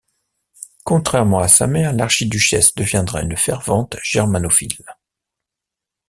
Contrairement à sa mère, l'archiduchesse deviendra une fervente germanophile.